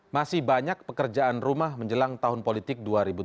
masih banyak pekerjaan rumah menjelang tahun politik dua ribu tujuh belas